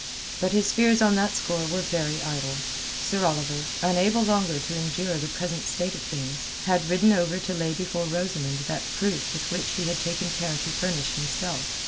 But his fears on that score were very idle. Sir Oliver, unable longer to endure the present state of things, had ridden over to lay before Rosamund that proof with which he had taken care to furnish himself.